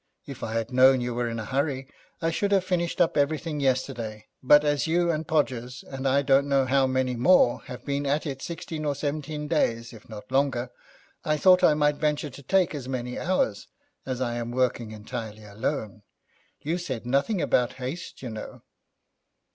If I had known you were in a hurry, I should have finished up everything yesterday, but as you and Podgers, and I don't know how many more, have been at it sixteen or seventeen days, if not longer, I thought I might venture to take as many hours, as I am working entirely alone. You said nothing about haste, you know.'